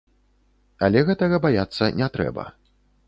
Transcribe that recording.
Але гэтага баяцца не трэба.